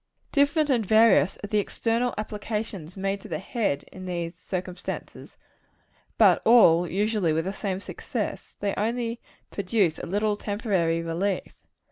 Different and various are the external applications made to the head, in these circumstances; but all, usually, with the same success; they only produce a little temporary relief.